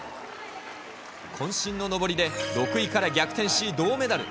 こん身の登りで６位から逆転し、銅メダル。